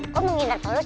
kok menghilang polusi